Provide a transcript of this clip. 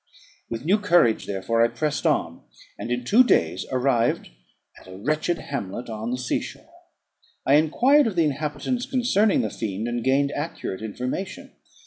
With new courage, therefore, I pressed on, and in two days arrived at a wretched hamlet on the sea shore. I enquired of the inhabitants concerning the fiend, and gained accurate information.